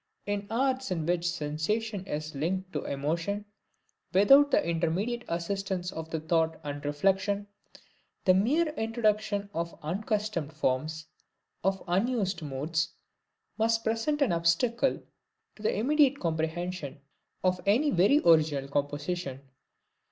In arts in which sensation is linked to emotion, without the intermediate assistance of thought and reflection, the mere introduction of unaccustomed forms, of unused modes, must present an obstacle to the immediate comprehension of any very original composition.